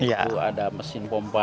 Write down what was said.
itu ada mesin bom